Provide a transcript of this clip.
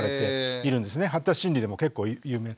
発達心理でも結構有名。